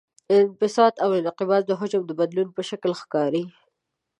انبساط او انقباض د حجم د بدلون په شکل ښکاري.